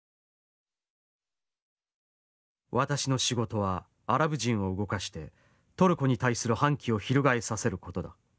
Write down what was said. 「私の仕事はアラブ人を動かしてトルコに対する反旗を翻させる事だ。